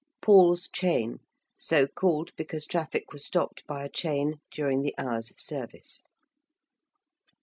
~Paul's Chain~: so called because traffic was stopped by a chain during the hours of service.